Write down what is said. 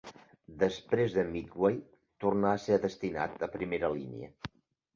Després de Midway tornà a ser destinat a primera línia.